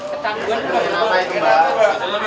atau main apa